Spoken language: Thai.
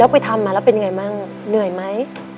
ไปทำมาแล้วเป็นยังไงบ้างเหนื่อยไหม